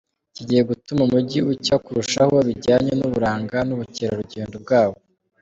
Kigiye gutuma umujyi ucya kurushaho, bijyanye n’uburanga n’ubukerarugendo bwawo.